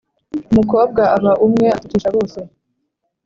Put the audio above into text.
Umukobwa aba umwe agatukisha bose